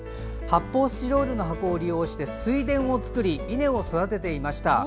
発泡スチロールの箱を利用して水田を作り、稲を育てていました。